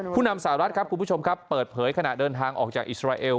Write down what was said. นำสหรัฐครับคุณผู้ชมครับเปิดเผยขณะเดินทางออกจากอิสราเอล